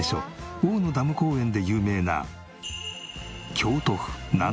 大野ダム公園で有名な。